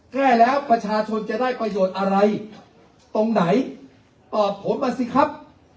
แก้แล้วประชาชนจะได้ประโยชน์อะไรตรงไหนตอบผมมาสิครับ